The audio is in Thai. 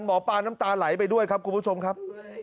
หมอปลาน้ำตาไหลไปด้วยครับคุณผู้ชมครับ